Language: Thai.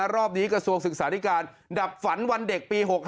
รอบนี้กระทรวงศึกษาธิการดับฝันวันเด็กปี๖๕